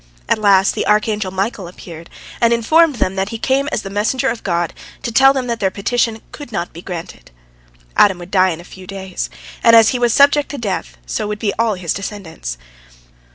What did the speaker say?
At last the archangel Michael appeared, and informed them that he came as the messenger of God to tell them that their petition could not be granted. Adam would die in a few days, and as he was subject to death, so would be all his descendants.